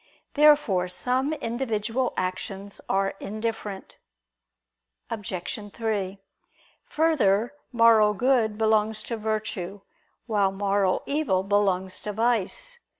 Therefore some individual actions are indifferent. Obj. 3: Further, moral good belongs to virtue, while moral evil belongs to vice.